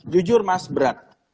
jujur mas berat